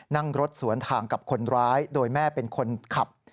นั่งรถสวนทางกับคนร้ายโดยแม่เป็นคนขับ